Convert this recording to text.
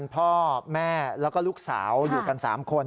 พ่อแม่แล้วก็ลูกสาวอยู่กัน๓คน